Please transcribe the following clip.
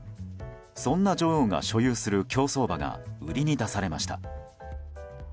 そんな女王が所有する競走馬が売りに出されました。